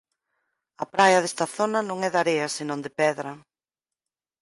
A praia desta zona non é de area senón de pedra.